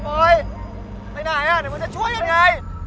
ไปไหนอะเดี๋ยวมันจะช่วยยังไง